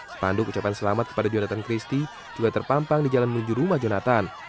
sepanduk ucapan selamat kepada jonathan christie juga terpampang di jalan menuju rumah jonathan